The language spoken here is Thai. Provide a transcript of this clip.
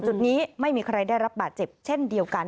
จุดนี้ไม่มีใครได้รับบาดเจ็บเช่นเดียวกัน